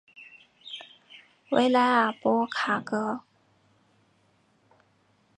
维莱尔博卡格。